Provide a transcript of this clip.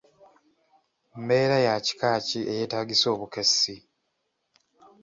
Mbeera ya kika ki eyetaagisa obukessi?